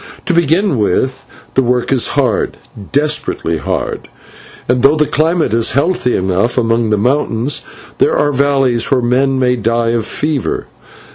To begin with, the work is hard, desperately hard, and though the climate is healthy enough among the mountains, there are valleys where men may die of fever.